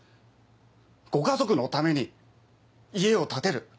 ご家族のために家を建てる。